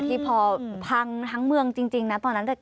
ที่พอพังทั้งเมืองจริงนะตอนนั้น